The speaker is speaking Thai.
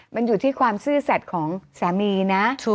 มันอยู่ที่ความซื่อสัตว์ของสามีนะ